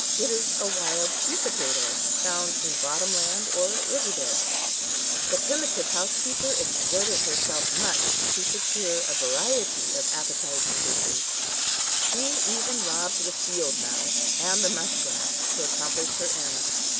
It is a wild sweet potato, found in bottom lands or river beds. The primitive housekeeper exerted herself much to secure a variety of appetizing dishes; she even robbed the field mouse and the muskrat to accomplish her end.